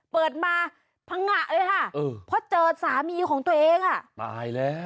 เปิดมาพังงะเลยค่ะเพราะเจอสามีของตัวเองอ่ะตายแล้ว